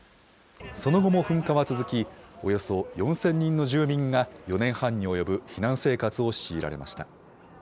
その後も噴火は続き、およそ４０００人の住民が４年半に及ぶ避難生活を強いられました。